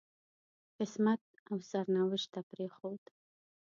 قسمت او سرنوشت ته پرېښود.